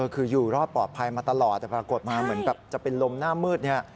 คืออยู่รอดปลอดภัยมาตลอดแต่ปรากฏมาเหมือนจะล้มหน้ามืด